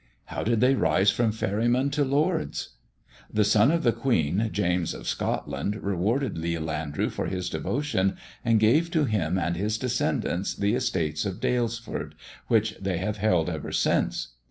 " How did they rise from ferrymen to lords ]*' "The son of the Queen, James of England, rewarded Leal Andrew for "his devotion, and gave to him and his descendants the estates of Dalesford, which they have held ever since."